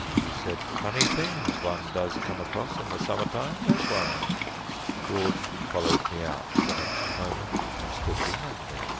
He said: "Funny things one does come across in the summer time, don't one?" George followed me out the next moment, and stood behind me.